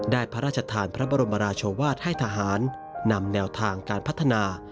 พระราชทานพระบรมราชวาสให้ทหารนำแนวทางการพัฒนา